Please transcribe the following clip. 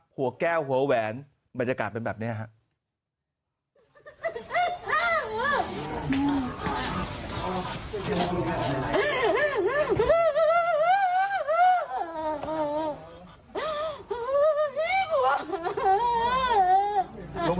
หัวแก้วหัวแหวนบรรยากาศเป็นแบบนี้ครับ